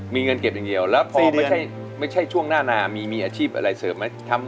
มีเงินเก็บอย่างเดียวแล้วพอไม่ใช่ช่วงหน้านามีอาชีพอะไรเสิร์ฟไหม